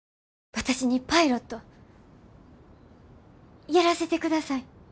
私にパイロットやらせてください。